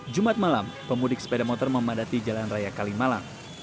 jumat malam pemudik sepeda motor memadati jalan raya kalimalang